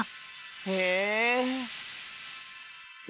へえ。